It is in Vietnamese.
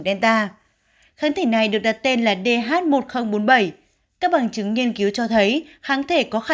delta kháng thể này được đặt tên là dh một nghìn bốn mươi bảy các bằng chứng nghiên cứu cho thấy kháng thể có khả